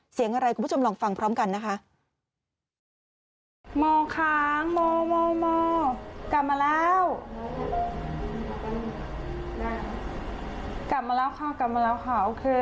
เสียงอะไรคุณผู้ชมลองฟังพร้อมกันนะคะ